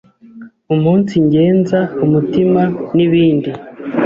umunsigenza umutima, n’ibindi